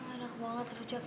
enak banget rujaknya